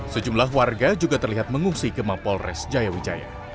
sejumlah warga juga terlihat mengungsi ke mapol res jayawijaya